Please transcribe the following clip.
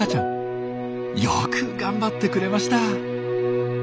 よく頑張ってくれました。